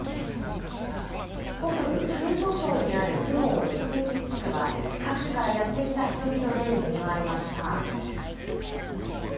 北部フート省にあるフン王の遺跡地区は、各地からやって来た人々でにぎわいました。